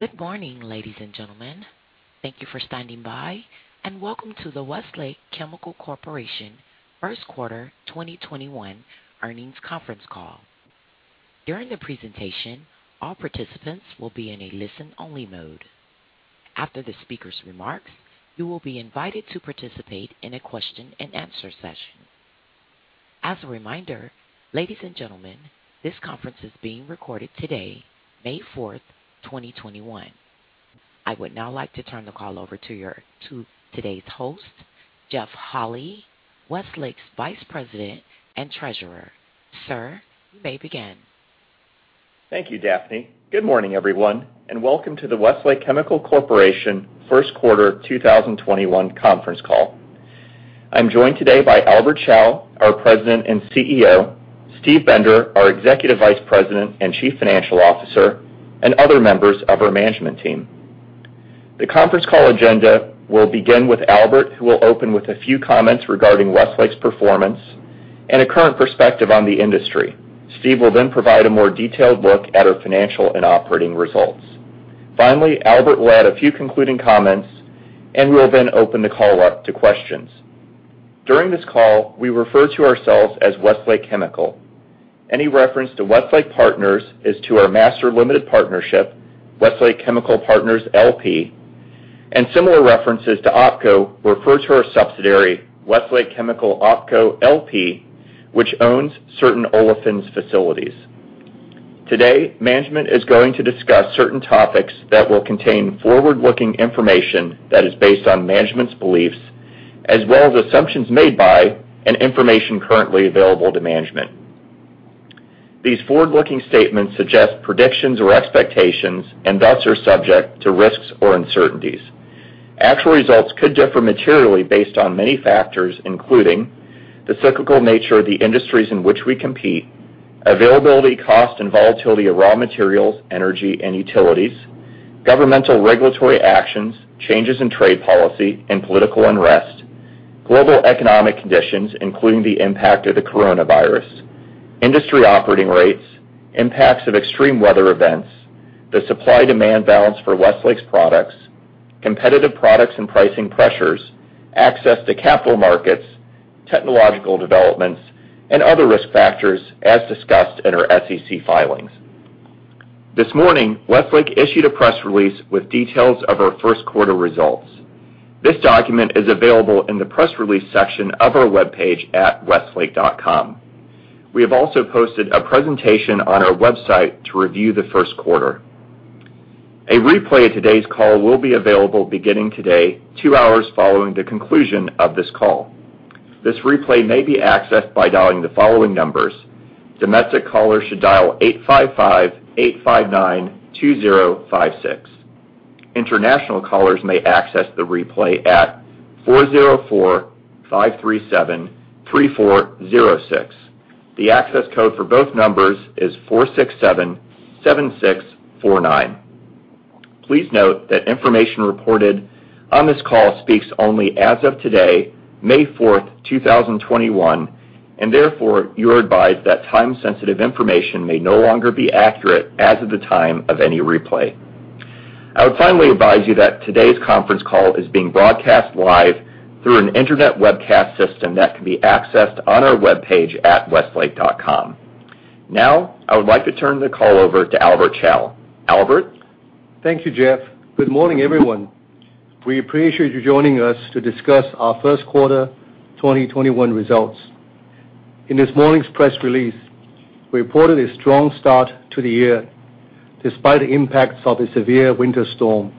Good morning, ladies and gentlemen. Thank you for standing by, and welcome to the Westlake Chemical Corporation First Quarter 2021 Earnings Conference Call. During the presentation, all participants will be in a listen-only mode. After the speakers' remarks, you will be invited to participate in a question and answer session. As a reminder, ladies and gentlemen, this conference is being recorded today, May 4th, 2021. I would now like to turn the call over to today's host, Jeff Holy, Westlake's Vice President and Treasurer. Sir, you may begin. Thank you, Daphne. Good morning, everyone, and welcome to the Westlake Chemical Corporation first quarter 2021 conference call. I'm joined today by Albert Chao, our President and CEO, Steve Bender, our Executive Vice President and Chief Financial Officer, and other members of our management team. The conference call agenda will begin with Albert, who will open with a few comments regarding Westlake's performance and a current perspective on the industry. Steve will then provide a more detailed look at our financial and operating results. Finally, Albert will add a few concluding comments, and we'll then open the call up to questions. During this call, we refer to ourselves as Westlake Chemical. Any reference to Westlake Partners is to our master limited partnership, Westlake Chemical Partners, LP, and similar references to OpCo refer to our subsidiary, Westlake Chemical OpCo LP, which owns certain Olefins facilities. Today, management is going to discuss certain topics that will contain forward-looking information that is based on management's beliefs as well as assumptions made by and information currently available to management. These forward-looking statements suggest predictions or expectations and thus are subject to risks or uncertainties. Actual results could differ materially based on many factors, including the cyclical nature of the industries in which we compete, availability, cost, and volatility of raw materials, energy and utilities, governmental regulatory actions, changes in trade policy and political unrest, global economic conditions, including the impact of the coronavirus, industry operating rates, impacts of extreme weather events, the supply-demand balance for Westlake's products, competitive products and pricing pressures, access to capital markets, technological developments, and other risk factors as discussed in our SEC filings. This morning, Westlake issued a press release with details of our first quarter results. This document is available in the press release section of our webpage at westlake.com. We have also posted a presentation on our website to review the first quarter. A replay of today's call will be available beginning today, two hours following the conclusion of this call. This replay may be accessed by dialing the following numbers. Domestic callers should dial 855-859-2056. International callers may access the replay at 404-537-3406. The access code for both numbers is 4677649. Please note that information reported on this call speaks only as of today, May 4, 2021, and therefore, you are advised that time-sensitive information may no longer be accurate as of the time of any replay. I would finally advise you that today's conference call is being broadcast live through an internet webcast system that can be accessed on our webpage at westlake.com. I would like to turn the call over to Albert Chao. Albert? Thank you, Jeff. Good morning, everyone. We appreciate you joining us to discuss our first quarter 2021 results. In this morning's press release, we reported a strong start to the year despite the impacts of the severe winter storm,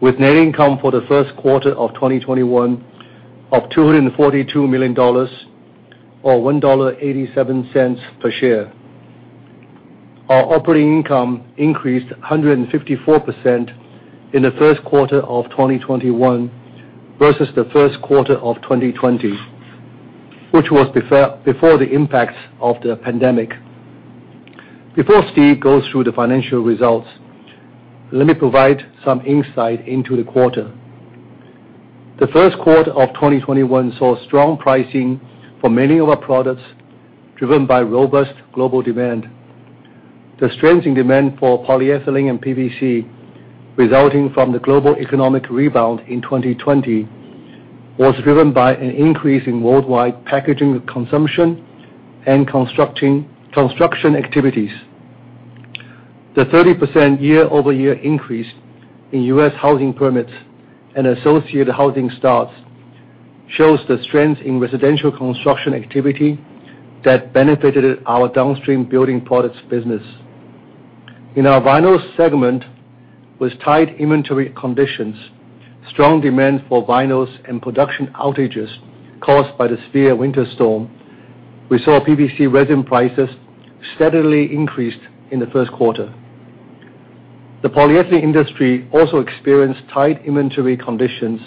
with net income for the first quarter of 2021 of $242 million, or $1.87 per share. Our operating income increased 154% in the first quarter of 2021 versus the first quarter of 2020, which was before the impacts of the pandemic. Before Steve goes through the financial results, let me provide some insight into the quarter. The first quarter of 2021 saw strong pricing for many of our products driven by robust global demand. The strength in demand for polyethylene and PVC resulting from the global economic rebound in 2020 was driven by an increase in worldwide packaging consumption and construction activities. The 30% year-over-year increase in U.S. housing permits and associated housing starts shows the strength in residential construction activity that benefited our downstream building products business. In our vinyl segment, with tight inventory conditions, strong demand for vinyls, and production outages caused by the severe winter storm, we saw PVC resin prices steadily increased in the first quarter. The polyethylene industry also experienced tight inventory conditions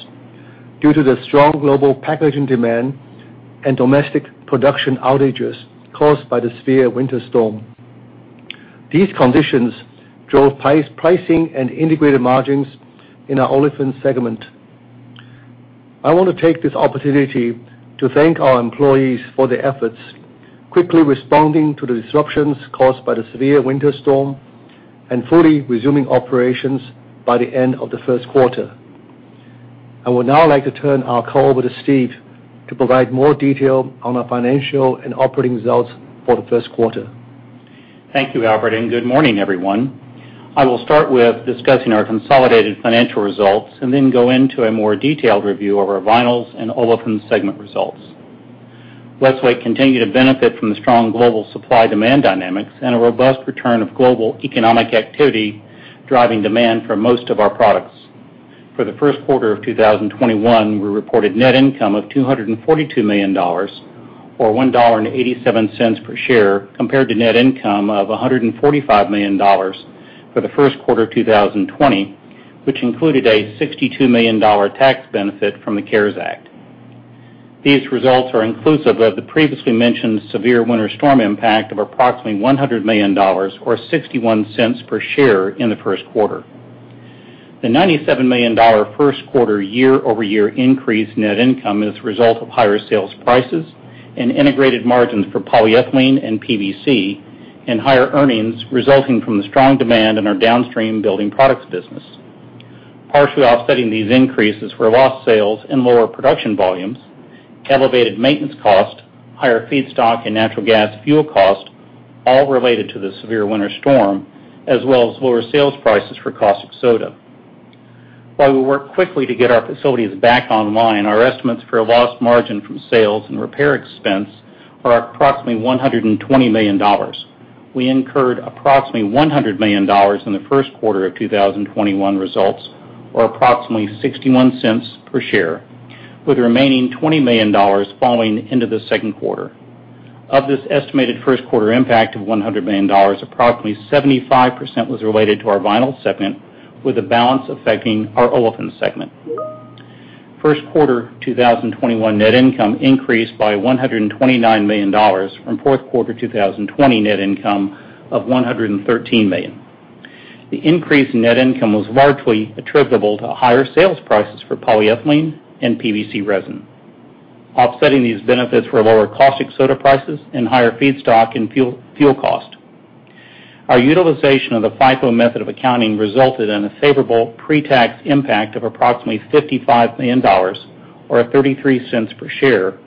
due to the strong global packaging demand and domestic production outages caused by the severe winter storm. These conditions drove pricing and integrated margins in our olefin segment. I want to take this opportunity to thank our employees for their efforts, quickly responding to the disruptions caused by the severe winter storm and fully resuming operations by the end of the first quarter. I would now like to turn our call over to Steve to provide more detail on our financial and operating results for the first quarter. Thank you, Albert. Good morning, everyone. I will start with discussing our consolidated financial results and then go into a more detailed review of our Vinyls and Olefins segment results. Westlake continued to benefit from the strong global supply-demand dynamics and a robust return of global economic activity, driving demand for most of our products. For the first quarter of 2021, we reported net income of $242 million, or $1.87 per share, compared to net income of $145 million for the first quarter of 2020, which included a $62 million tax benefit from the CARES Act. These results are inclusive of the previously mentioned severe winter storm impact of approximately $100 million, or $0.61 per share in the first quarter. The $97 million first quarter year-over-year increase in net income is the result of higher sales prices and integrated margins for polyethylene and PVC and higher earnings resulting from the strong demand in our downstream building products business. Partially offsetting these increases were lost sales and lower production volumes, elevated maintenance cost, higher feedstock and natural gas fuel cost, all related to the severe winter storm, as well as lower sales prices for caustic soda. While we worked quickly to get our facilities back online, our estimates for lost margin from sales and repair expense are approximately $120 million. We incurred approximately $100 million in the first quarter of 2021 results, or approximately $0.61 per share, with the remaining $20 million falling into the second quarter. Of this estimated first quarter impact of $100 million, approximately 75% was related to our Vinyls segment, with the balance affecting our Olefins segment. First quarter 2021 net income increased by $129 million from fourth quarter 2020 net income of $113 million. The increase in net income was largely attributable to higher sales prices for polyethylene and PVC resin. Offsetting these benefits were lower caustic soda prices and higher feedstock and fuel cost. Our utilization of the FIFO method of accounting resulted in a favorable pretax impact of approximately $55 million, or $0.33 per share,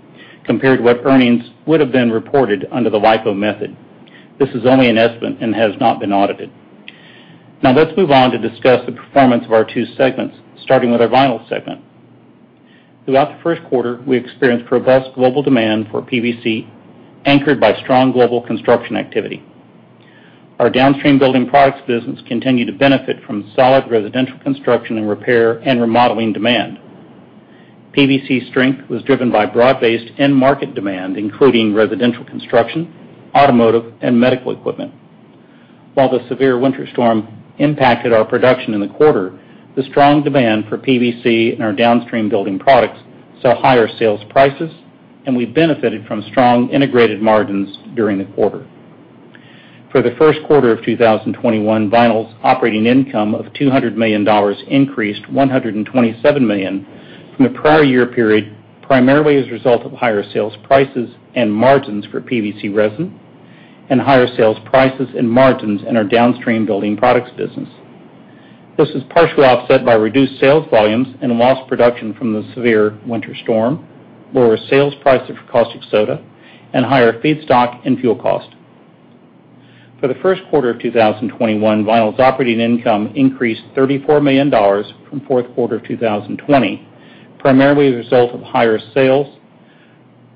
compared to what earnings would have been reported under the LIFO method. This is only an estimate and has not been audited. Let's move on to discuss the performance of our two segments, starting with our Vinyls segment. Throughout the first quarter, we experienced robust global demand for PVC, anchored by strong global construction activity. Our downstream building products business continued to benefit from solid residential construction and repair and remodeling demand. PVC strength was driven by broad-based end market demand, including residential construction, automotive, and medical equipment. While the severe winter storm impacted our production in the quarter, the strong demand for PVC and our downstream building products saw higher sales prices, and we benefited from strong integrated margins during the quarter. For the first quarter of 2021, Vinyls operating income of $200 million increased $127 million from the prior year period, primarily as a result of higher sales prices and margins for PVC resin and higher sales prices and margins in our downstream building products business. This is partially offset by reduced sales volumes and lost production from the severe winter storm, lower sales price of caustic soda, and higher feedstock and fuel cost. For the first quarter of 2021, Vinyls operating income increased $34 million from fourth quarter of 2020, primarily as a result of higher sales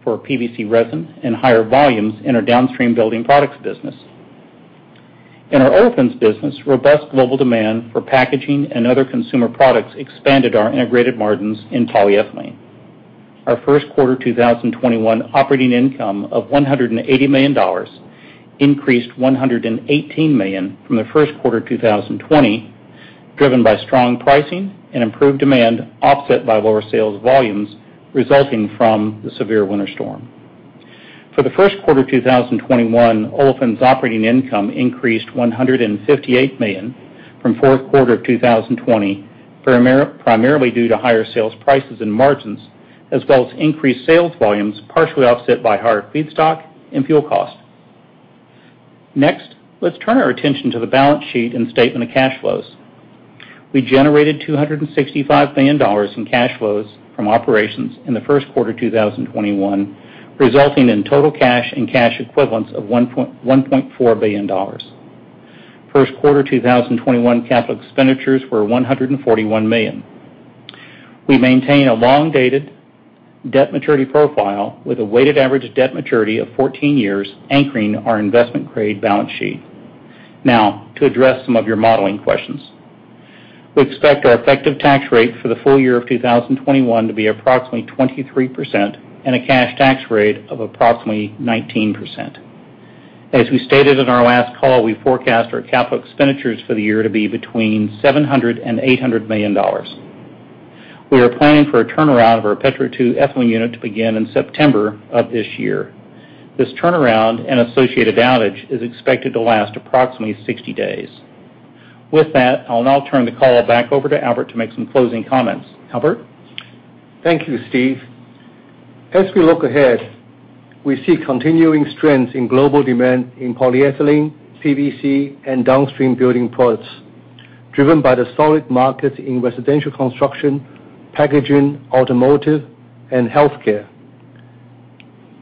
for PVC resin and higher volumes in our downstream building products business. In our Olefins business, robust global demand for packaging and other consumer products expanded our integrated margins in polyethylene. Our first quarter 2021 operating income of $180 million increased $118 million from the first quarter of 2020, driven by strong pricing and improved demand offset by lower sales volumes resulting from the severe winter storm. For the first quarter of 2021, Olefins operating income increased $158 million from fourth quarter of 2020, primarily due to higher sales prices and margins as well as increased sales volumes, partially offset by higher feedstock and fuel cost. Next, let's turn our attention to the balance sheet and statement of cash flows. We generated $265 million in cash flows from operations in the first quarter of 2021, resulting in total cash and cash equivalents of $1.4 billion. First quarter 2021 capital expenditures were $141 million. We maintain a long-dated debt maturity profile with a weighted average debt maturity of 14 years anchoring our investment-grade balance sheet. Now, to address some of your modeling questions. We expect our effective tax rate for the full year of 2021 to be approximately 23% and a cash tax rate of approximately 19%. As we stated on our last call, we forecast our capital expenditures for the year to be between $700 million and $800 million. We are planning for a turnaround of our Petro II Ethylene unit to begin in September of this year. This turnaround and associated outage is expected to last approximately 60 days. With that, I'll now turn the call back over to Albert to make some closing comments. Albert? Thank you, Steve. As we look ahead, we see continuing strengths in global demand in polyethylene, PVC, and downstream building products, driven by the solid markets in residential construction, packaging, automotive, and healthcare.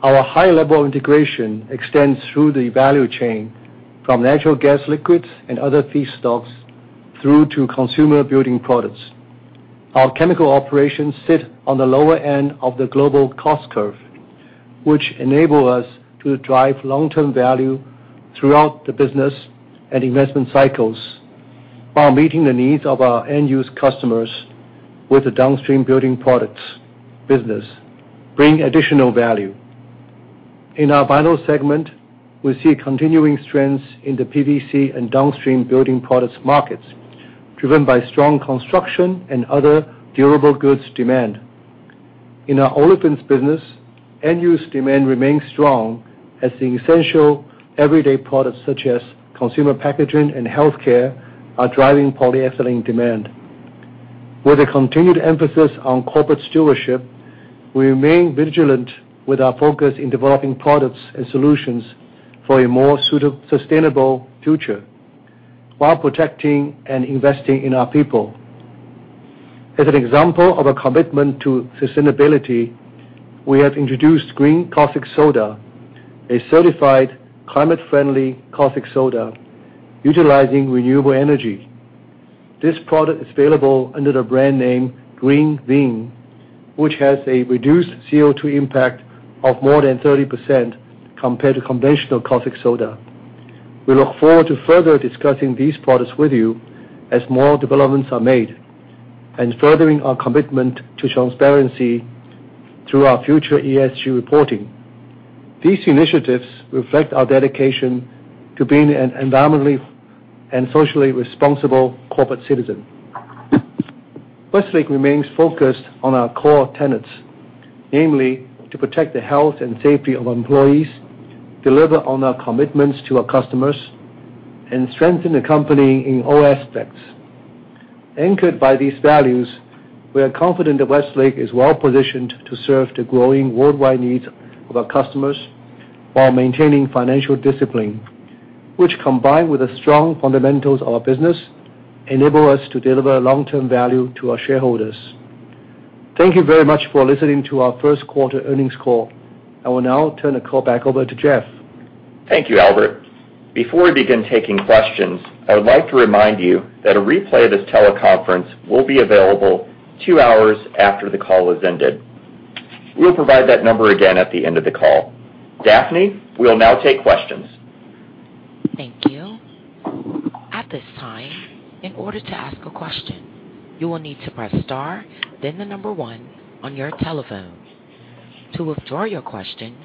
Our high level of integration extends through the value chain, from natural gas liquids and other feedstocks through to consumer building products. Our chemical operations sit on the lower end of the global cost curve, which enable us to drive long-term value throughout the business and investment cycles, while meeting the needs of our end-use customers with the downstream building products business, bringing additional value. In our Vinyl segment, we see continuing strengths in the PVC and downstream building products markets, driven by strong construction and other durable goods demand. In our Olefins business, end-use demand remains strong as the essential everyday products, such as consumer packaging and healthcare, are driving polyethylene demand. With a continued emphasis on corporate stewardship, we remain vigilant with our focus in developing products and solutions for a more sustainable future, while protecting and investing in our people. As an example of a commitment to sustainability, we have introduced green caustic soda, a certified climate-friendly caustic soda utilizing renewable energy. This product is available under the brand name GreenVin, which has a reduced CO2 impact of more than 30% compared to conventional caustic soda. We look forward to further discussing these products with you as more developments are made and furthering our commitment to transparency through our future ESG reporting. These initiatives reflect our dedication to being an environmentally and socially responsible corporate citizen. Westlake remains focused on our core tenets, namely, to protect the health and safety of employees, deliver on our commitments to our customers, and strengthen the company in all aspects. Anchored by these values, we are confident that Westlake is well positioned to serve the growing worldwide needs of our customers while maintaining financial discipline, which combined with the strong fundamentals of our business, enable us to deliver long-term value to our shareholders. Thank you very much for listening to our first quarter earnings call. I will now turn the call back over to Jeff. Thank you, Albert. Before we begin taking questions, I would like to remind you that a replay of this teleconference will be available two hours after the call has ended. We'll provide that number again at the end of the call. Daphne, we'll now take questions. Thank you. At this time, in order to ask a question, you will need to press star, then the number one on your telephone. To withdraw your question,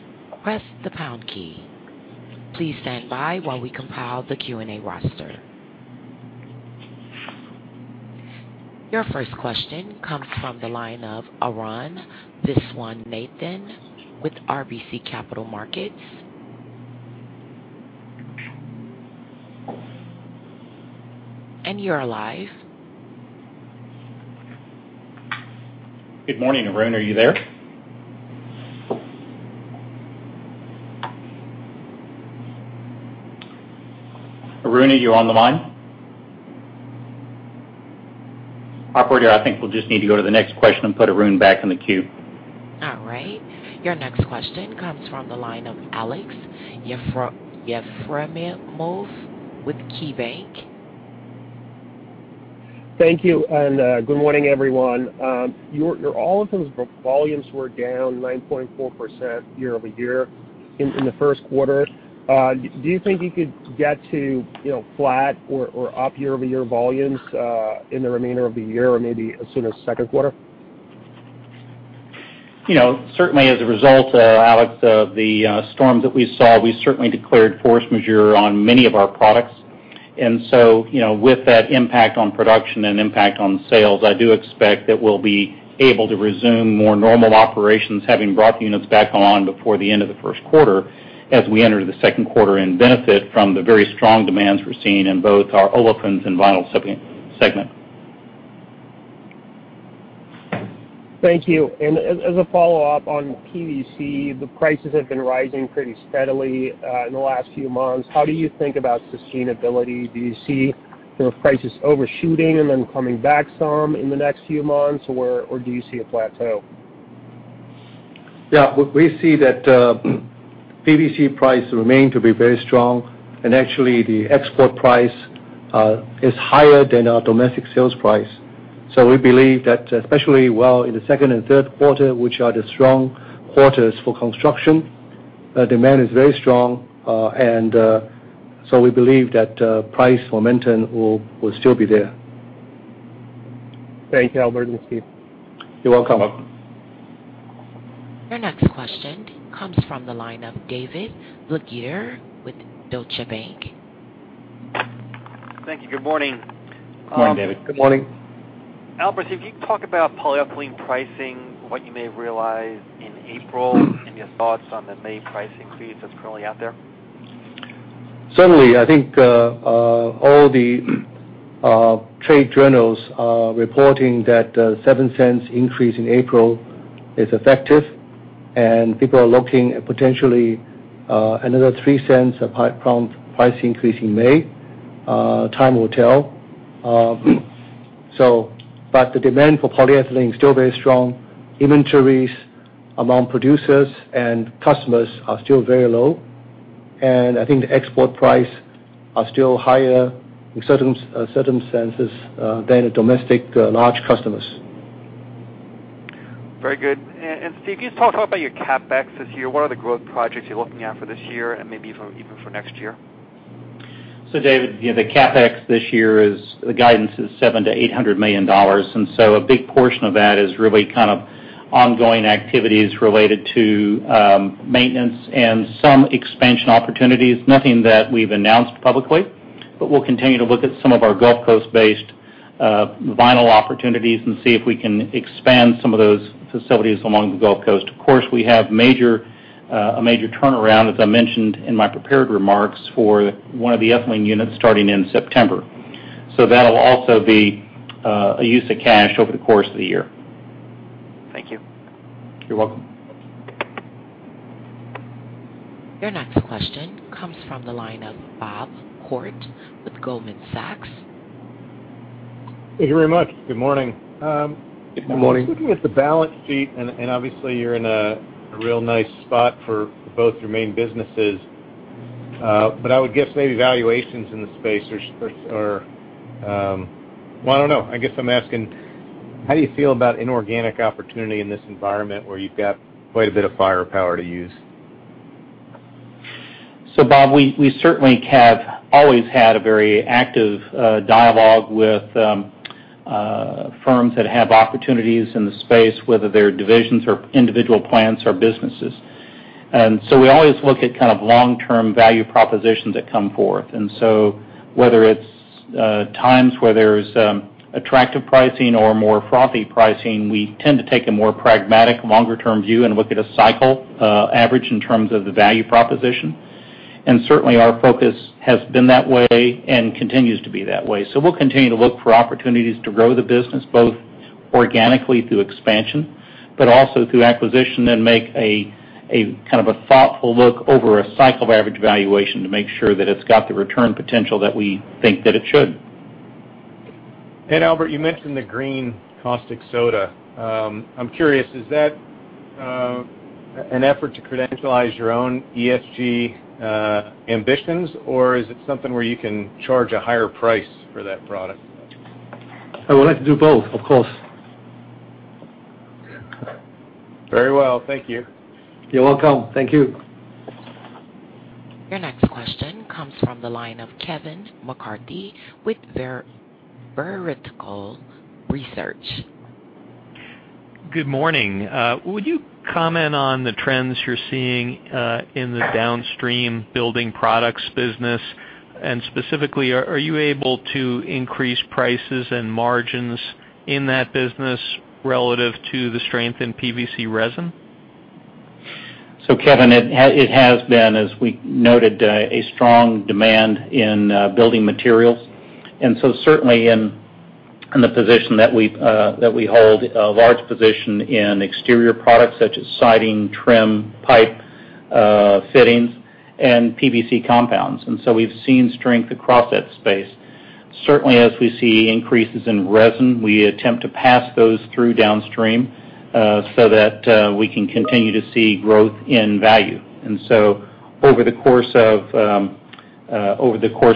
press the pound key. Please stand by while we compile the Q&A roster. Your first question comes from the line of Arun Viswanathan, with RBC Capital Markets. You are live. Good morning, Arun. Are you there? Arun, are you on the line? Operator, I think we'll just need to go to the next question and put Arun back in the queue. All right. Your next question comes from the line of Aleksey Yefremov with KeyBanc. Thank you, and good morning, everyone. Your Olefins volumes were down 9.4% year-over-year in the first quarter. Do you think you could get to flat or up year-over-year volumes in the remainder of the year or maybe as soon as second quarter? Certainly as a result, Aleksey, of the storms that we saw, we certainly declared force majeure on many of our products. With that impact on production and impact on sales, I do expect that we'll be able to resume more normal operations, having brought units back on before the end of the first quarter as we enter the second quarter and benefit from the very strong demands we're seeing in both our Olefins and Vinyls segment. Thank you. As a follow-up on PVC, the prices have been rising pretty steadily in the last few months. How do you think about sustainability? Do you see prices overshooting and then coming back some in the next few months, or do you see a plateau? We see that PVC price remain to be very strong. Actually, the export price is higher than our domestic sales price. We believe that, especially in the second and third quarter, which are the strong quarters for construction, demand is very strong. We believe that price momentum will still be there. Thank you, Albert and Steve. You're welcome. Your next question comes from the line of David Begleiter with Deutsche Bank. Thank you. Good morning. Good morning, David. Good morning. Albert, if you could talk about polyethylene pricing, what you may realize in April, and your thoughts on the May price increase that's currently out there? Certainly. I think all the trade journals are reporting that $0.07 increase in April is effective, people are looking at potentially another $0.03 price increase in May. Time will tell. The demand for polyethylene is still very strong. Inventories among producers and customers are still very low. I think the export price are still higher in certain senses than the domestic large customers. Very good. Steve, can you talk about your CapEx this year? What are the growth projects you're looking at for this year, and maybe even for next year? David, the CapEx this year, the guidance is $700 million-$800 million. A big portion of that is really kind of ongoing activities related to maintenance and some expansion opportunities. Nothing that we've announced publicly, but we'll continue to look at some of our Gulf Coast based vinyl opportunities and see if we can expand some of those facilities along the Gulf Coast. Of course, we have a major turnaround, as I mentioned in my prepared remarks, for one of the ethylene units starting in September. That'll also be a use of cash over the course of the year. Thank you. You're welcome. Your next question comes from the line of Bob Koort with Goldman Sachs. Thank you very much. Good morning. Good morning. I was looking at the balance sheet, obviously, you're in a real nice spot for both your main businesses. I would guess maybe valuations in the space are Well, I don't know. I guess I'm asking, how do you feel about inorganic opportunity in this environment where you've got quite a bit of firepower to use? Bob, we certainly have always had a very active dialogue with firms that have opportunities in the space, whether they're divisions or individual plants or businesses. We always look at kind of long-term value propositions that come forth. Whether it's times where there's attractive pricing or more frothy pricing, we tend to take a more pragmatic, longer term view and look at a cycle average in terms of the value proposition. Certainly, our focus has been that way and continues to be that way. We'll continue to look for opportunities to grow the business, both organically through expansion, but also through acquisition and make a kind of a thoughtful look over a cycle of average valuation to make sure that it's got the return potential that we think that it should. Albert, you mentioned the green caustic soda. I'm curious, is that an effort to credentialize your own ESG ambitions, or is it something where you can charge a higher price for that product? I would like to do both, of course. Very well. Thank you. You're welcome. Thank you. Your next question comes from the line of Kevin McCarthy with Vertical Research. Good morning. Would you comment on the trends you're seeing in the downstream building products business? Specifically, are you able to increase prices and margins in that business relative to the strength in PVC resin? Kevin, it has been, as we noted, a strong demand in building materials. Certainly in the position that we hold a large position in exterior products such as siding, trim, pipe fittings, and PVC compounds. We've seen strength across that space. Certainly, as we see increases in resin, we attempt to pass those through downstream, so that we can continue to see growth in value. Over the course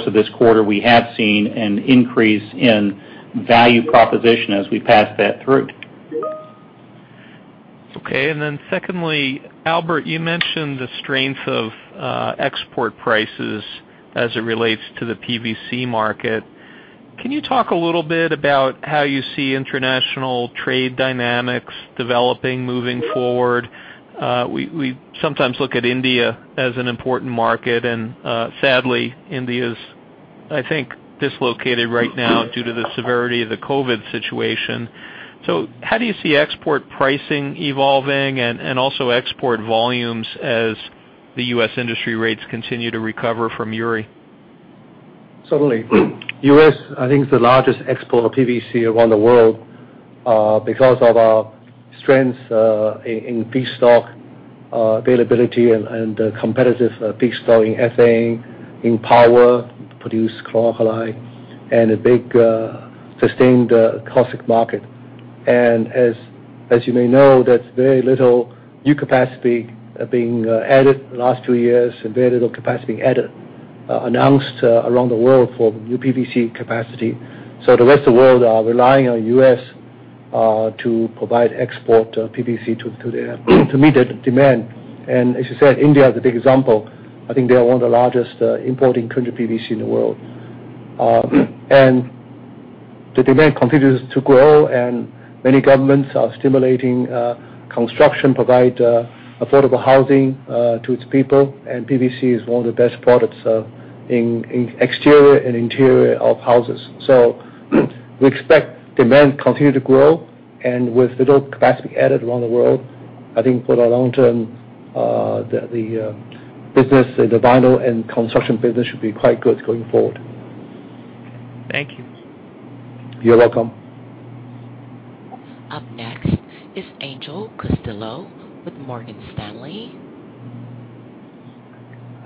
of this quarter, we have seen an increase in value proposition as we pass that through. Okay. Secondly, Albert, you mentioned the strength of export prices as it relates to the PVC market. Can you talk a little bit about how you see international trade dynamics developing moving forward? We sometimes look at India as an important market, and sadly, India is, I think, dislocated right now due to the severity of the COVID situation. How do you see export pricing evolving and also export volumes as the U.S. industry rates continue to recover from Uri? Certainly. U.S., I think is the largest exporter of PVC around the world, because of our strength in feedstock availability and competitive feedstock in ethane, in power to produce chlor-alkali, and a big sustained caustic market. As you may know, there's very little new capacity being added the last two years, and very little capacity being added announced around the world for new PVC capacity. The rest of world are relying on U.S. to provide export PVC to meet that demand. As you said, India is a big example. I think they are one of the largest importing country PVC in the world. The demand continues to grow, and many governments are stimulating construction provide affordable housing to its people. PVC is one of the best products in exterior and interior of houses. We expect demand continue to grow. With little capacity added around the world. I think for the long term, the business, the vinyl and construction business should be quite good going forward. Thank you. You're welcome. Up next is Angel Castillo with Morgan Stanley.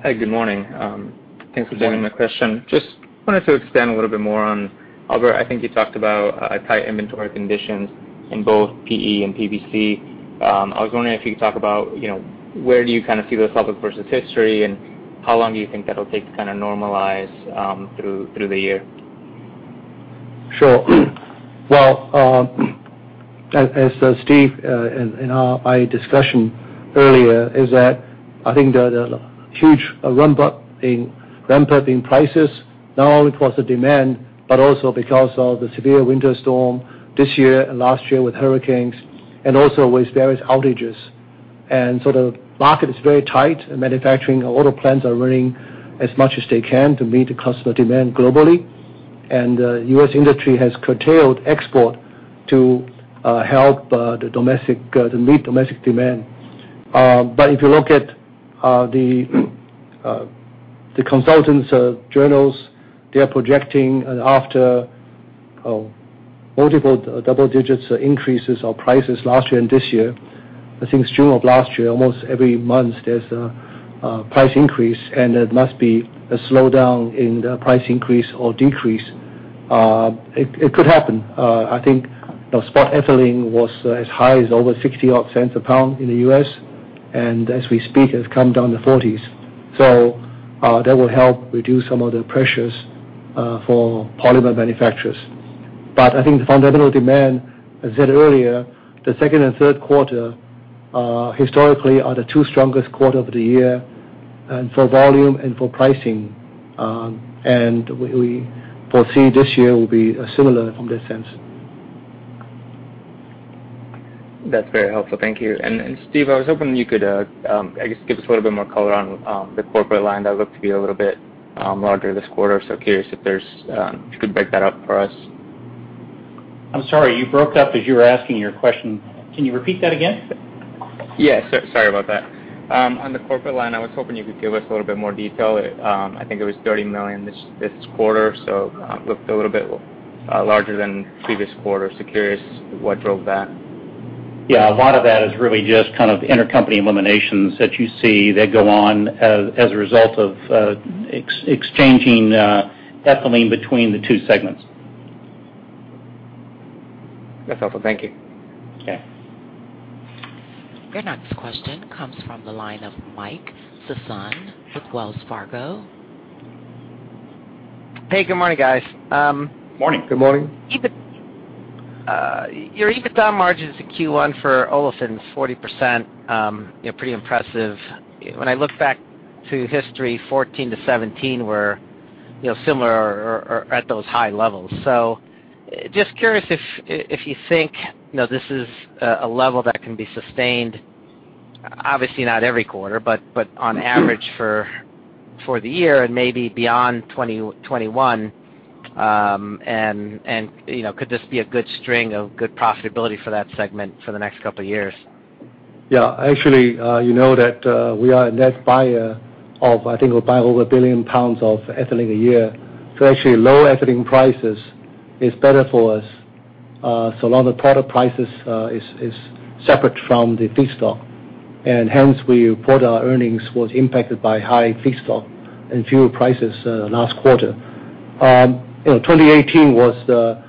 Hi, good morning. Good morning. Thanks for taking my question. Just wanted to expand a little bit more on, Albert, I think you talked about tight inventory conditions in both PE and PVC. I was wondering if you could talk about where do you see this versus history, and how long do you think that'll take to normalize through the year? Sure. Well, as Steve, in our discussion earlier, is that I think the huge ramp up in prices, not only because of demand, but also because of severe Winter Storm this year and last year with hurricanes, and also with various outages. The market is very tight. In manufacturing, a lot of plants are running as much as they can to meet the customer demand globally. The U.S. industry has curtailed export to help to meet domestic demand. If you look at the consultants' journals, they are projecting after multiple double-digit increases of prices last year and this year. I think since June of last year, almost every month, there's a price increase, and there must be a slowdown in the price increase or decrease. It could happen. I think spot ethylene was as high as over $0.60 odd a pound in the U.S., and as we speak, it has come down to 40s. That will help reduce some of the pressures for polymer manufacturers. I think the fundamental demand, as I said earlier, the second and third quarter historically are the two strongest quarter of the year for volume and for pricing. We foresee this year will be similar from this sense. That's very helpful. Thank you. Steve, I was hoping you could, I guess, give us a little bit more color on the corporate line that looked to be a little bit larger this quarter. Curious if you could break that up for us. I'm sorry. You broke up as you were asking your question. Can you repeat that again? Yeah. Sorry about that. On the corporate line, I was hoping you could give us a little bit more detail. I think it was $30 million this quarter. It looked a little bit larger than previous quarters. Curious what drove that. Yeah, a lot of that is really just intercompany eliminations that you see that go on as a result of exchanging ethylene between the two segments. That's helpful. Thank you. Okay. Your next question comes from the line of Mike Sison with Wells Fargo. Hey, good morning, guys. Morning. Good morning. Your EBITDA margins in Q1 for Olefins, 40%, pretty impressive. When I look back to history, 2014 to 2017 were similar or at those high levels. Just curious if you think this is a level that can be sustained, obviously not every quarter, but on average for the year and maybe beyond 2021. Could this be a good string of good profitability for that segment for the next couple of years? Yeah. Actually, you know that we are a net buyer of, I think we buy over 1 billion pounds of ethylene a year. Actually lower ethylene prices is better for us. A lot of the product prices is separate from the feedstock, and hence we report our earnings was impacted by high feedstock and fuel prices last quarter. 2018 was the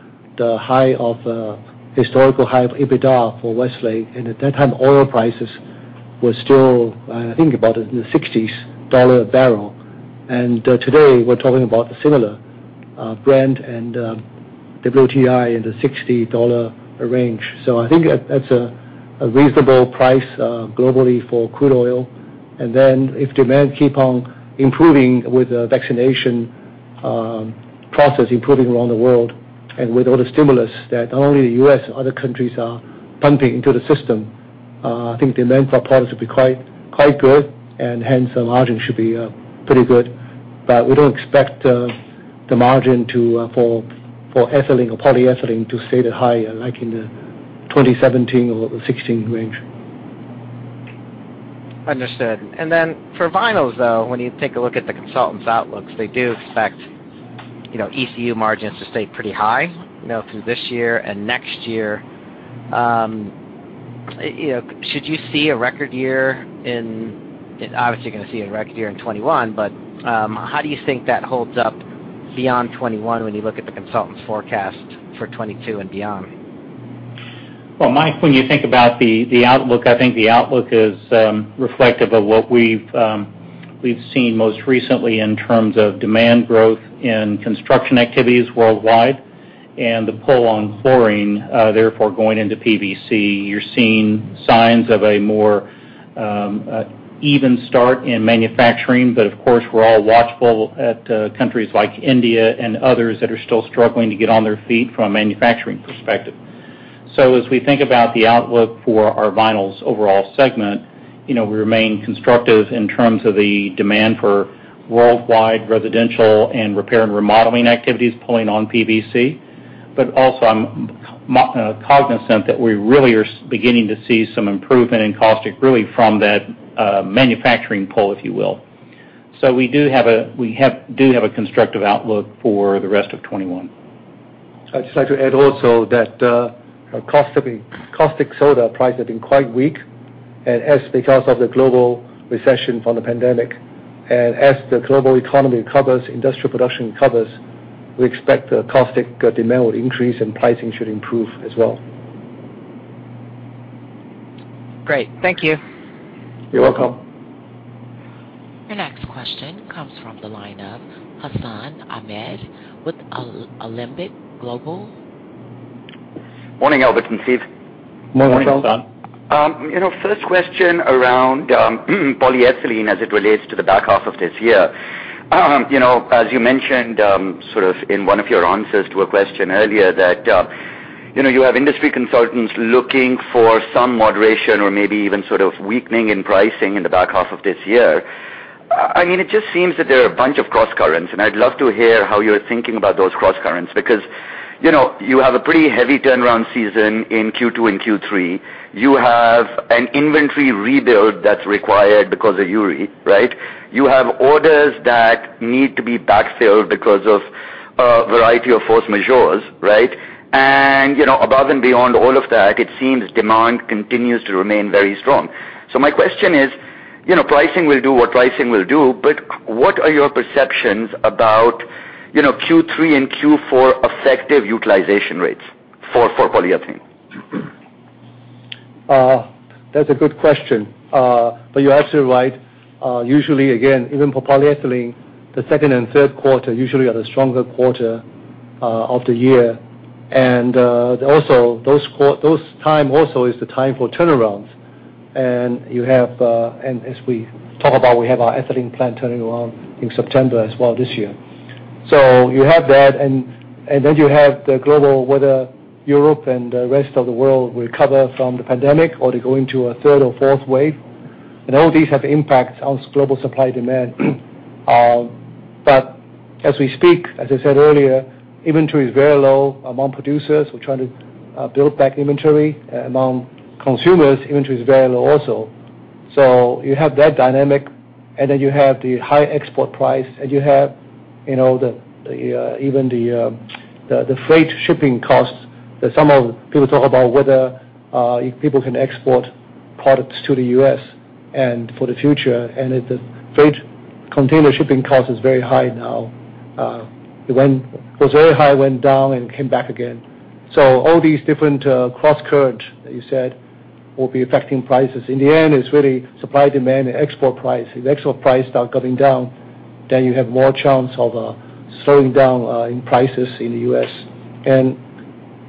historical high of EBITDA for Westlake, and at that time, oil prices were still, I think about in the $60/bbl. Today we're talking about a similar Brent and WTI in the $60 range. I think that's a reasonable price globally for crude oil. If demand keep on improving with the vaccination process improving around the world and with all the stimulus that not only the U.S., other countries are pumping into the system, I think demand for our products will be quite good, and hence our margin should be pretty good. We don't expect the margin for ethylene or polyethylene to stay that high, like in the 2017 or 2016 range. Understood. For Vinyls, though, when you take a look at the consultants' outlooks, they do expect ECU margins to stay pretty high through this year and next year. Obviously, you're going to see a record year in 2021, how do you think that holds up beyond 2021 when you look at the consultants' forecast for 2022 and beyond? Well, Mike, when you think about the outlook, I think the outlook is reflective of what we've seen most recently in terms of demand growth in construction activities worldwide and the pull on chlorine, therefore, going into PVC. You're seeing signs of a more even start in manufacturing. Of course, we're all watchful at countries like India and others that are still struggling to get on their feet from a manufacturing perspective. As we think about the outlook for our Vinyls overall segment, we remain constructive in terms of the demand for worldwide residential and repair and remodeling activities pulling on PVC. Also, I'm cognizant that we really are beginning to see some improvement in caustic really from that manufacturing pull, if you will. We do have a constructive outlook for the rest of 2021. I'd just like to add also that caustic soda prices have been quite weak, and as because of the global recession from the pandemic. As the global economy recovers, industrial production recovers, we expect caustic demand will increase, and pricing should improve as well. Great. Thank you. You're welcome. Your next question comes from the line of Hassan Ahmed with Alembic Global. Morning, Albert and Steve. Morning, Hassan. Morning. First question around polyethylene as it relates to the back half of this year. As you mentioned sort of in one of your answers to a question earlier that you have industry consultants looking for some moderation or maybe even sort of weakening in pricing in the back half of this year. It just seems that there are a bunch of crosscurrents, and I'd love to hear how you're thinking about those crosscurrents, because you have a pretty heavy turnaround season in Q2 and Q3. You have an inventory rebuild that's required because of Uri, right? You have orders that need to be backfilled because of a variety of force majeures, right? Above and beyond all of that, it seems demand continues to remain very strong. My question is, pricing will do what pricing will do, but what are your perceptions about Q3 and Q4 effective utilization rates for polyethylene? That's a good question. You're absolutely right. Usually, again, even for polyethylene, the second and third quarter usually are the stronger quarter of the year. Also those time also is the time for turnarounds. As we talk about, we have our ethylene plant turning around in September as well this year. You have that, and then you have the global, whether Europe and the rest of the world recover from the pandemic or they go into a third or fourth wave. All these have impacts on global supply demand. As we speak, as I said earlier, inventory is very low among producers who are trying to build back inventory. Among consumers, inventory is very low also. You have that dynamic, and then you have the high export price, and you have even the freight shipping costs that some of the people talk about whether people can export products to the U.S. and for the future. The freight container shipping cost is very high now. It was very high, went down, and came back again. All these different crosscurrent that you said will be affecting prices. In the end, it's really supply-demand and export price. If export price start coming down, then you have more chance of slowing down in prices in the U.S.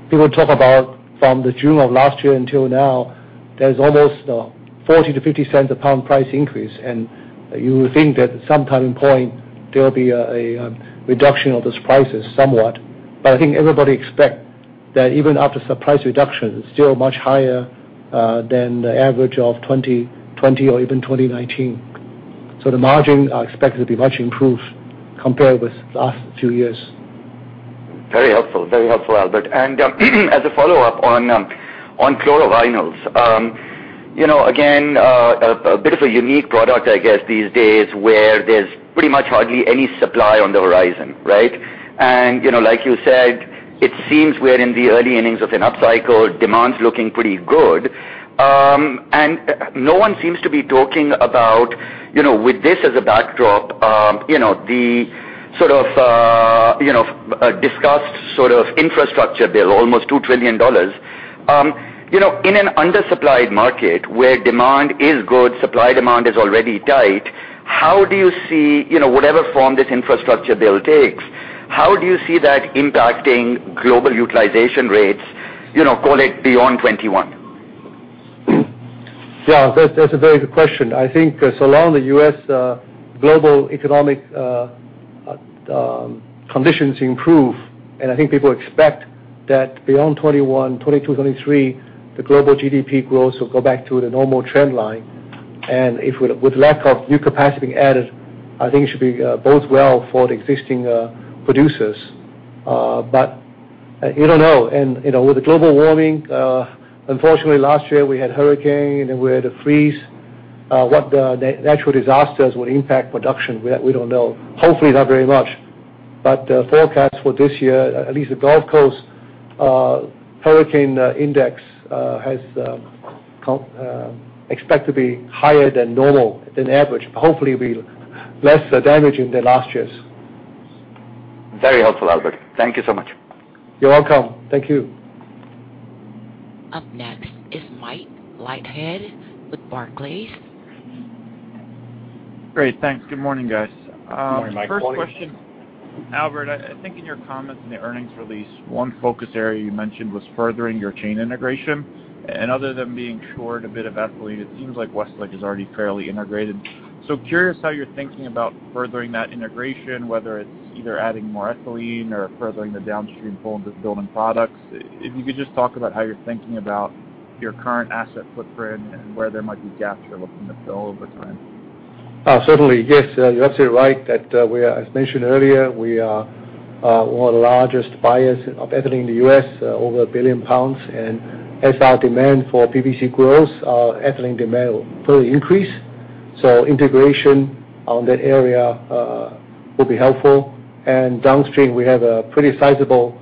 People talk about from the June of last year until now, there's almost $0.40 to $0.50 a pound price increase, and you would think that at some time point, there will be a reduction of those prices somewhat. I think everybody expect that even after the price reduction, it's still much higher than the average of 2020 or even 2019. The margin are expected to be much improved compared with last few years. Very helpful, Albert. As a follow-up on chlorovinyls. Again, a bit of a unique product, I guess, these days where there's pretty much hardly any supply on the horizon, right? Like you said, it seems we're in the early innings of an upcycle, demand's looking pretty good. No one seems to be talking about with this as a backdrop, the sort of discussed sort of infrastructure bill, almost $2 trillion. In an undersupplied market where demand is good, supply-demand is already tight. Whatever form this infrastructure bill takes, how do you see that impacting global utilization rates, call it beyond 2021? Yeah, that's a very good question. I think so long the U.S. global economic conditions improve, and I think people expect that beyond 2021, 2022, 2023, the global GDP growth will go back to the normal trend line. With lack of new capacity being added, I think it should bode well for the existing producers. You don't know. With the global warming, unfortunately last year we had hurricane, and then we had a freeze. What the natural disasters will impact production, we don't know. Hopefully not very much. The forecast for this year, at least the Gulf Coast hurricane index is expected to be higher than normal, than average. Hopefully, less damage than last year's. Very helpful, Albert. Thank you so much. You're welcome. Thank you. Up next is Mike Leithead with Barclays. Great. Thanks. Good morning, guys. Good morning, Mike. Good morning. First question, Albert, I think in your comments in the earnings release, one focus area you mentioned was furthering your chain integration. Other than being short a bit of ethylene, it seems like Westlake is already fairly integrated. Curious how you're thinking about furthering that integration, whether it's either adding more ethylene or furthering the downstream pull into building products. If you could just talk about how you're thinking about your current asset footprint and where there might be gaps you're looking to fill over time. Certainly, yes. You're absolutely right that as mentioned earlier, we are one of the largest buyers of ethylene in the U.S., over 1 billion pounds. As our demand for PVC grows, our ethylene demand will further increase. Integration on that area will be helpful. Downstream, we have a pretty sizable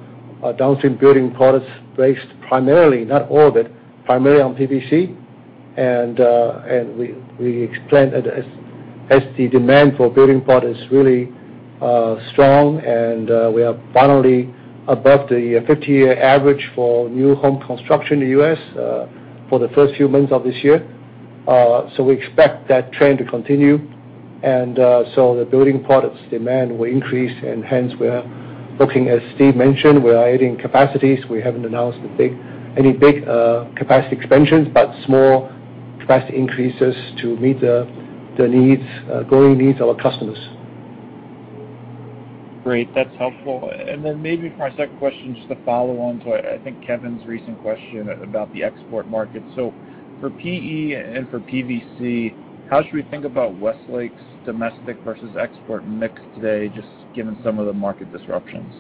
downstream building products based primarily, not all of it, primarily on PVC. We explained as the demand for building product is really strong, and we are finally above the 50-year average for new home construction in the U.S. for the first few months of this year. We expect that trend to continue. The building products demand will increase, and hence we are looking, as Steve mentioned, we are adding capacities. We haven't announced any big capacity expansions, but small capacity increases to meet the growing needs of our customers. Great. That's helpful. Maybe for my second question, just to follow on to, I think, Kevin's recent question about the export market. For PE and for PVC, how should we think about Westlake's domestic versus export mix today, just given some of the market disruptions?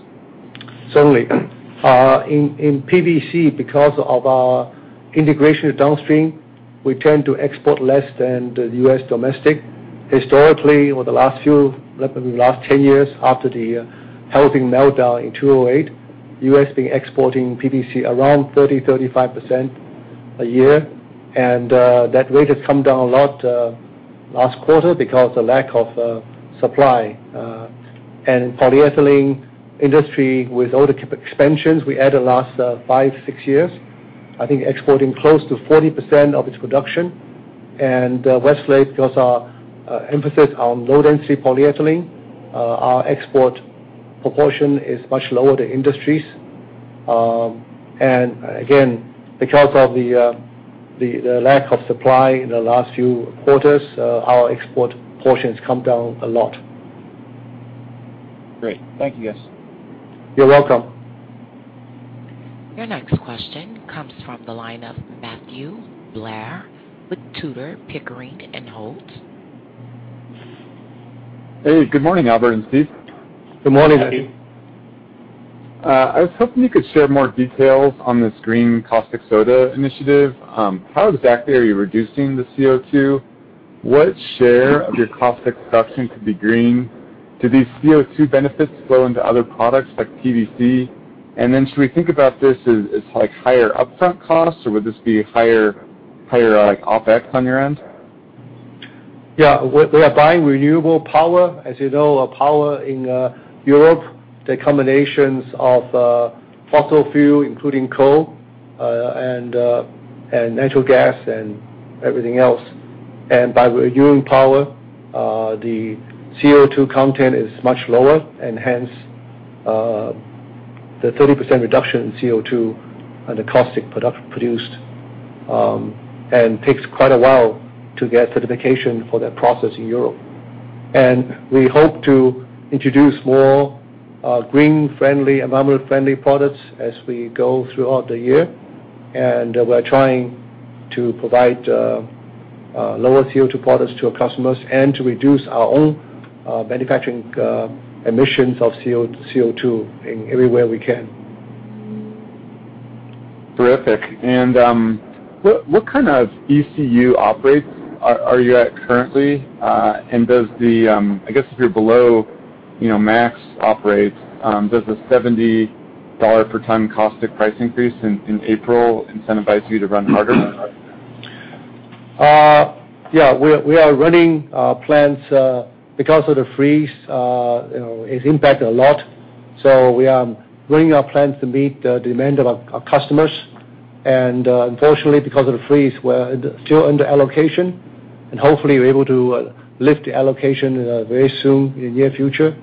Certainly. In PVC, because of our integration with downstream, we tend to export less than the U.S. domestic. Historically, over the last few, maybe last 10 years after the housing meltdown in 2008, U.S. has been exporting PVC around 30%, 35% a year. That rate has come down a lot last quarter because of lack of supply. Polyethylene industry, with all the expansions we had the last five, six years, I think exporting close to 40% of its production. Westlake, because our emphasis on low-density polyethylene, our export proportion is much lower than industry's. Again, because of the lack of supply in the last few quarters, our export portions come down a lot. Great. Thank you, guys. You're welcome. Your next question comes from the line of Matthew Blair with Tudor, Pickering, and Holt. Hey, good morning, Albert and Steve. Good morning. Good morning. I was hoping you could share more details on this green caustic soda initiative. How exactly are you reducing the CO2? What share of your caustic production could be green? Do these CO2 benefits flow into other products like PVC? Should we think about this as higher upfront costs, or would this be higher OpEx on your end? Yeah. We are buying renewable power. As you know, power in Europe takes combinations of fossil fuel, including coal and natural gas and everything else. By renewable power, the CO2 content is much lower, and hence, the 30% reduction in CO2 on the caustic product produced, and takes quite a while to get certification for that process in Europe. We hope to introduce more green-friendly, environmental-friendly products as we go throughout the year. We are trying to provide lower CO2 products to our customers and to reduce our own manufacturing emissions of CO2 in everywhere we can. Terrific. What kind of ECU op rates are you at currently? I guess if you're below max op rates, does the $70 per ton caustic price increase in April incentivize you to run harder? We are running our plants. Because of the freeze, it impacted a lot. We are running our plants to meet the demand of our customers. Unfortunately, because of the freeze, we're still under allocation. Hopefully, we're able to lift the allocation very soon in the near future.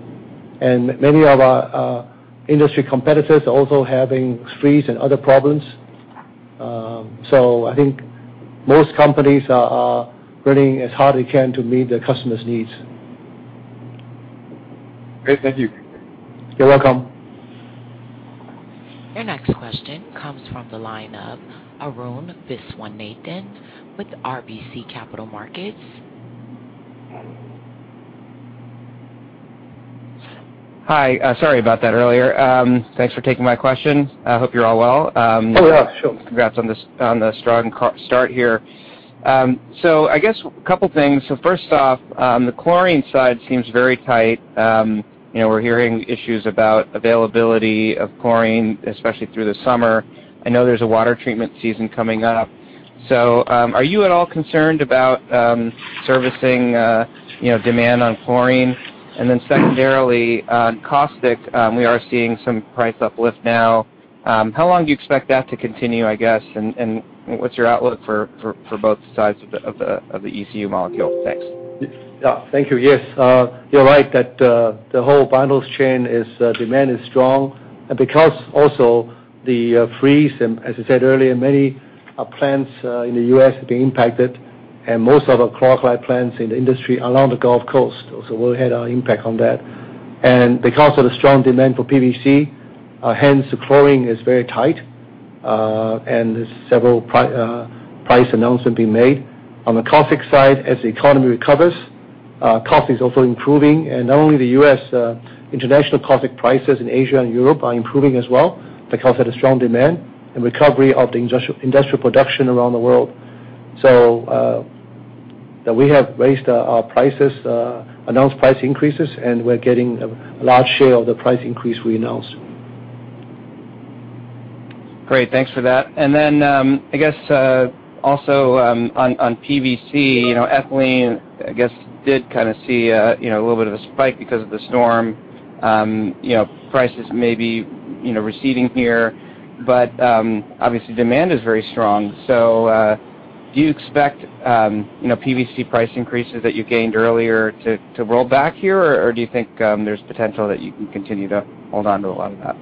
Many of our industry competitors are also having freeze and other problems. I think most companies are running as hard as they can to meet their customers' needs. Great. Thank you. You're welcome. Your next question comes from the line of Arun Viswanathan with RBC Capital Markets. Hi. Sorry about that earlier. Thanks for taking my question. I hope you're all well. Oh, yeah, sure. Congrats on the strong start here. I guess a couple things. First off, the chlorine side seems very tight. We're hearing issues about availability of chlorine, especially through the summer. I know there's a water treatment season coming up. Are you at all concerned about servicing demand on chlorine? Secondarily, on caustic, we are seeing some price uplift now. How long do you expect that to continue, I guess, and what's your outlook for both sides of the ECU molecule? Thanks. Yeah. Thank you. Yes. You're right that the whole Vinyls chain demand is strong. Because also the freeze, and as I said earlier, many plants in the U.S. have been impacted, and most of the chlor-alkali plants in the industry are along the Gulf Coast. We had an impact on that. Because of the strong demand for PVC, hence the chlorine is very tight. Several price announcements being made. On the caustic side, as the economy recovers, caustic is also improving. Not only the U.S., international caustic prices in Asia and Europe are improving as well because of the strong demand and recovery of the industrial production around the world. We have raised our prices, announced price increases, and we're getting a large share of the price increase we announced. Great. Thanks for that. I guess, also on PVC, ethylene, I guess, did see a little bit of a spike because of the storm. Prices may be receding here, but obviously, demand is very strong. Do you expect PVC price increases that you gained earlier to roll back here? Do you think there's potential that you can continue to hold on to a lot of that?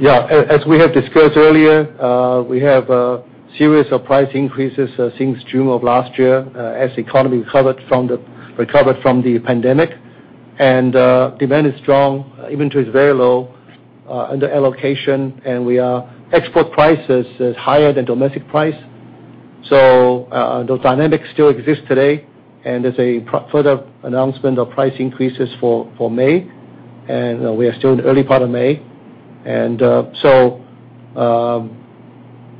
Yeah. As we have discussed earlier, we have a series of price increases since June of last year as the economy recovered from the pandemic. Demand is strong. Inventory is very low under allocation, and export price is higher than domestic price. Those dynamics still exist today, and there's a further announcement of price increases for May. We are still in the early part of May. Demand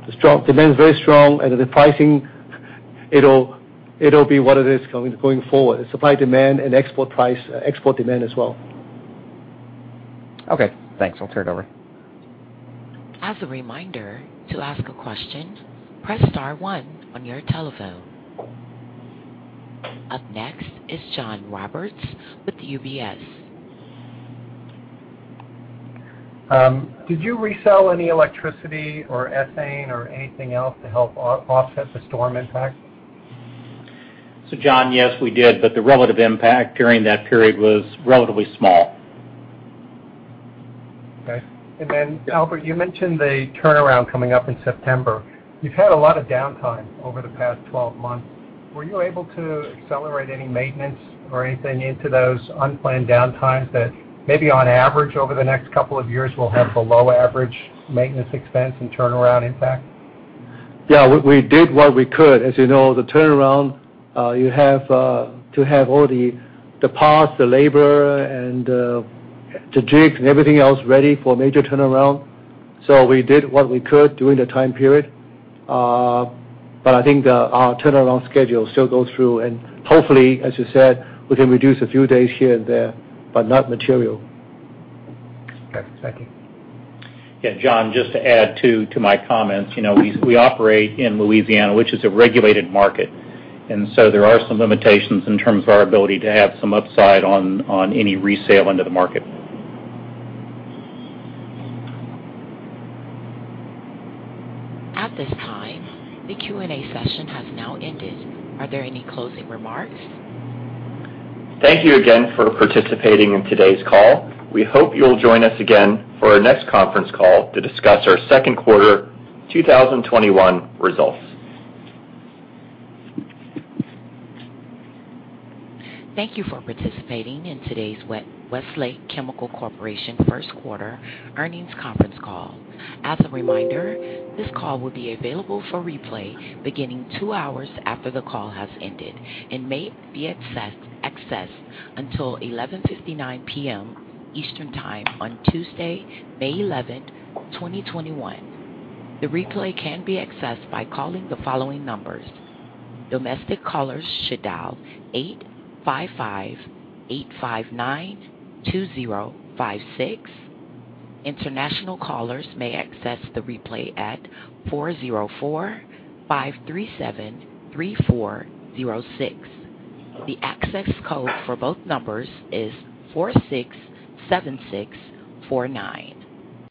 is very strong, and the pricing, it'll be what it is going forward. Supply, demand, and export demand as well. Okay. Thanks. I'll turn it over. As a reminder, to ask a question, press star one on your telephone. Up next is John Roberts with UBS. Did you resell any electricity or ethane or anything else to help offset the storm impact? John, yes, we did, but the relative impact during that period was relatively small. Okay. Albert, you mentioned the turnaround coming up in September. You've had a lot of downtime over the past 12 months. Were you able to accelerate any maintenance or anything into those unplanned downtimes that maybe on average over the next couple of years will have a low average maintenance expense and turnaround impact? Yeah, we did what we could. As you know, the turnaround, you have to have all the parts, the labor, and the jigs, and everything else ready for a major turnaround. We did what we could during the time period. I think our turnaround schedule still goes through. Hopefully, as you said, we can reduce a few days here and there, but not material. Okay. Thank you. Yeah, John, just to add to my comments. We operate in Louisiana, which is a regulated market, and so there are some limitations in terms of our ability to have some upside on any resale into the market. At this time, the Q&A session has now ended. Are there any closing remarks? Thank you again for participating in today's call. We hope you'll join us again for our next conference call to discuss our second quarter 2021 results. Thank you for participating in today's Westlake Chemical Corporation first quarter earnings conference call. As a reminder, this call will be available for replay beginning two hours after the call has ended and may be accessed until 11:59 P.M. Eastern Time on Tuesday, May 11th, 2021. The replay can be accessed by calling the following numbers. Domestic callers should dial 855-859-2056. International callers may access the replay at 404-537-3406. The access code for both numbers is 467649.